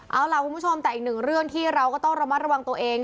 เอาล่ะคุณผู้ชมแต่อีกหนึ่งเรื่องที่เราก็ต้องระมัดระวังตัวเอง